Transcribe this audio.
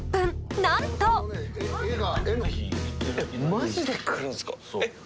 マジで来るんすかえっ？